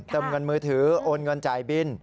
เงินมือถือโอนเงินจ่ายบิน